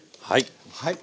はい。